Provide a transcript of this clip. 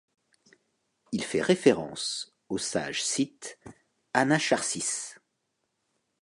Il fait référence au sage scythe Anacharsis.